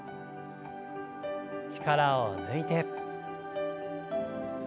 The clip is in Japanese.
力を抜いて。